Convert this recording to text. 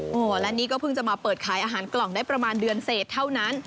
โอ้โหและนี่ก็เพิ่งจะมาเปิดขายอาหารกล่องได้ประมาณเดือนเศษเท่านั้น